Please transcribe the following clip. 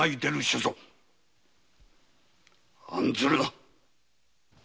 案ずるな！